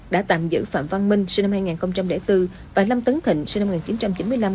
đã tạm giữ phạm văn minh sinh năm hai nghìn bốn và lâm tấn thịnh sinh năm một nghìn chín trăm chín mươi năm